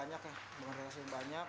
yang pasti kita bangun relasi yang banyak